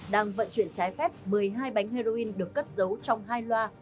đang vận chuyển trái phép một mươi hai bánh heroin được cất giấu trong hai loa